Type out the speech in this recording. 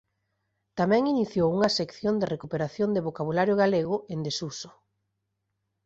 Tamén iniciou unha sección de recuperación de vocabulario galego en desuso.